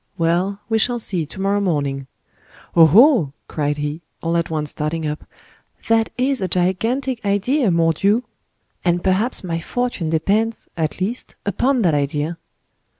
Well, we shall see to morrow morning. Oh! oh!" cried he, all at once starting up, "that is a gigantic idea, mordioux! and perhaps my fortune depends, at least, upon that idea!"